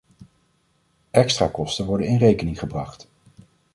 Extra kosten worden in rekening gebracht.